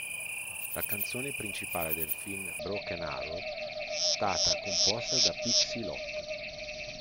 La canzone principale del film, "Broken Arrow", stata composta da Pixie Lott.